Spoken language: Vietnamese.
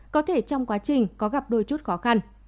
có thể trong quá trình có gặp đôi chút khó khăn